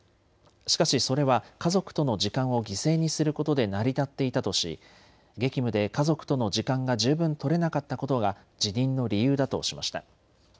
しかしそれは家族との時間を犠牲にすることで成り立っていたとし、激務で家族との時間が十分取れなかったことが辞任の理由だとしました。